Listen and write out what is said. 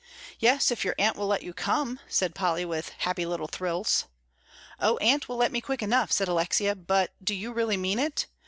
"Yes, if your Aunt will let you come," said Polly, with happy little thrills. "Oh, Aunt will let me quick enough," said Alexia; "but do you really mean it?